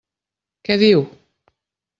Què diu?